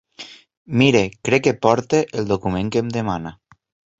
Miri, crec que porto el document que em demana.